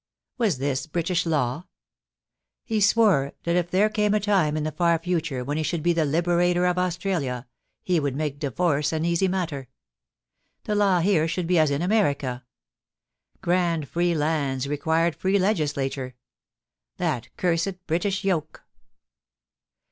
Was this British law ? He swore that if there came a time in the far future when he should be the Liberator of Aus tralia he would make divorce an easy matter. The law here should be as in America. Grand free lands required free legislature. That cursed British yoke